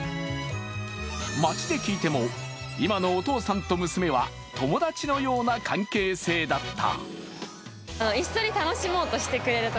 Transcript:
街で聞いても、今のお父さんと娘は友達のような関係性だった。